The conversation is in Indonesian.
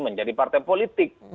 menjadi partai politik